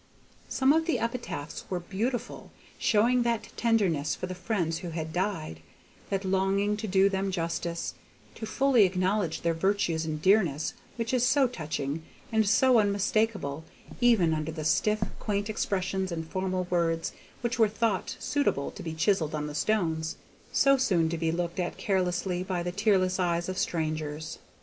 Some of the epitaphs were beautiful, showing that tenderness for the friends who had died, that longing to do them justice, to fully acknowledge their virtues and dearness, which is so touching, and so unmistakable even under the stiff, quaint expressions and formal words which were thought suitable to be chiselled on the stones, so soon to be looked at carelessly by the tearless eyes of strangers.